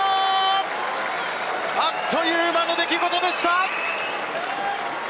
あっという間の出来事でした。